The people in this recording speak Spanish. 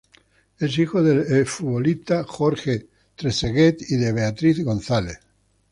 Es hijo del exfutbolista Jorge Trezeguet y de Beatriz González.